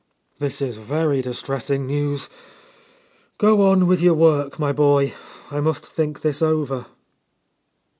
"This is very distressing news. Go on with your work, my boy. I must think this over."